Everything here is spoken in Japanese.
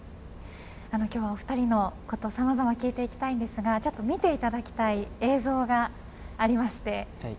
今日はお二人のこと様々聞いていきたいんですが見ていただきたい映像がありまして。